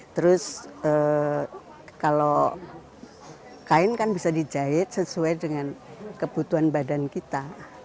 terus kalau kain kan bisa dijahit sesuai dengan kebutuhan badan kita